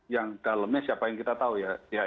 yang dalamnya siapa yang kita tahu ya